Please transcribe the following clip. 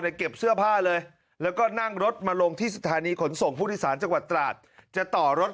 เก็บเสื้อผ้าเลยแล้วก็นั่งรถมาลงที่สถานีขนส่งผู้โดยสารจังหวัดตราดจะต่อรถ